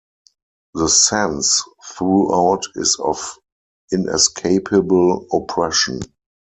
The sense throughout is of inescapable oppression.